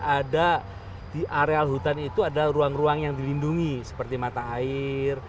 ada di areal hutan itu ada ruang ruang yang dilindungi seperti mata air